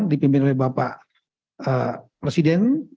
dipimpin oleh bapak presiden